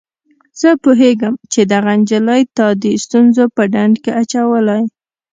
زه پوهیږم چي دغه نجلۍ تا د ستونزو په ډنډ کي اچولی.